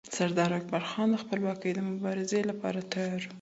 سردار اکبرخان د خپلواکۍ د مبارزې لپاره تیار و.